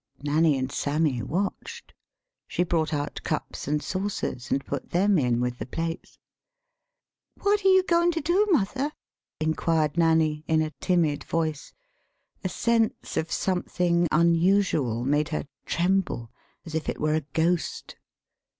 Nanny and Sammy watched. She brought out cups and saucers, and put them in with the plates. "What you goin' to do, mother?" inquired Nanny, in a timid voice. [A sense of something unusual made her tremble, as if it were a ghost.